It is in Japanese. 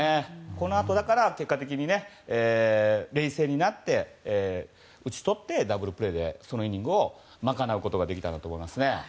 このあと結果的に、冷静になって打ち取って、ダブルプレーでそのイニングを賄うことができたと思います。